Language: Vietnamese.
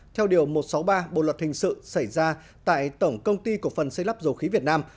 theo điều một trăm sáu mươi ba bộ luật hình sự xảy ra tại tổng công ty cổ phần xây lắp dầu khí việt nam